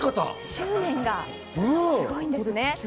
執念がすごいんですね。